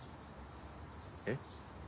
えっ？